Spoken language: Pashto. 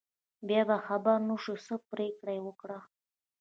بیا خبر نشو، څه پرېکړه یې وکړه.